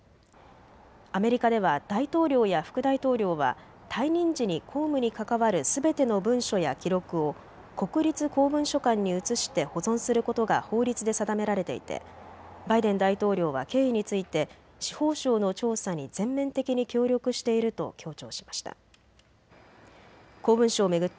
アメリカでは大統領や副大統領は退任時に公務に関わるすべての文書や記録を国立公文書館に移して保存することが法律で定められていてバイデン大統領は経緯について司法省の調査に全面的に協力していると強調しました。